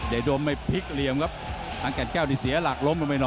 ให้โดมไม่พลิก